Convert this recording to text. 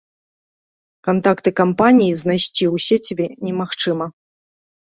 Кантакты кампаній знайсці у сеціве немагчыма.